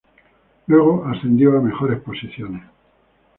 Luego, ascendió a mejores posiciones.